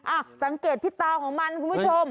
อ่ะสังเกตที่ตาของมันคุณผู้ชม